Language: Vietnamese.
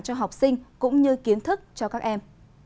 cho học sinh cũng như kiến thức cho các em